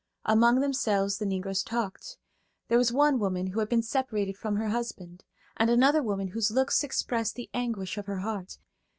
Among themselves the Negroes talked. There was one woman who had been separated from her husband, and another woman whose looks expressed the anguish of her heart.